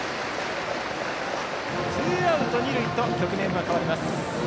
ツーアウト、二塁と局面は変わります。